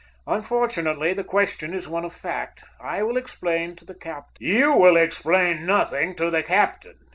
Unfortunately, the question is one of fact. I will explain to the captain——" "You will explain nothing to the captain!"